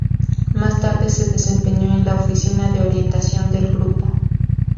Más tarde, se desempeñó en la oficina de orientación del grupo.